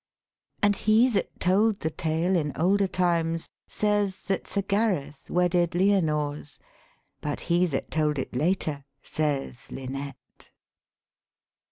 And he that told the tale in older times Says that Sir Gareth wedded Lyonors, But he that told it later says Lynette."